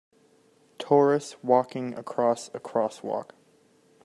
Tourists walking across a crosswalk.